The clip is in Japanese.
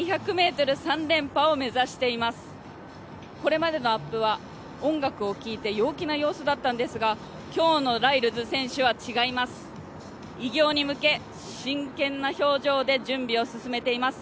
これまでのアップは音楽を聴いてこれまでのアップは音楽を聴いて陽気な様子だったんですが今日のライルズ選手は違います、偉業に向け真剣な表情で準備を進めています。